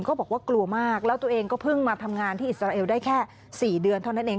บอกว่ากลัวมากแล้วตัวเองก็เพิ่งมาทำงานที่อิสราเอลได้แค่๔เดือนเท่านั้นเอง